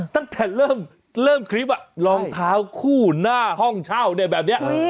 ตั้งแต่เริ่มคลิปรองเท้าคู่หน้าห้องเช่าเนี่ยแบบนี้